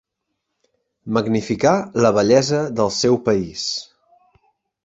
Magnificar la bellesa del seu país.